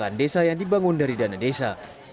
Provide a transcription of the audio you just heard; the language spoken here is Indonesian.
pertama pemerintahan yang dibangun dari dana desa